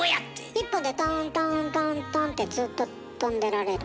１本でトントントントンってずっと跳んでられる。